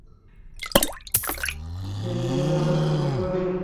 Miss রিজওয়ের আসার সুযোগ করে দিন!